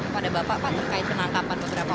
bapak bapak terkait penangkapan beberapa orang